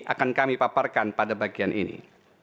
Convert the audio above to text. akan kami paparkan pada bagian ini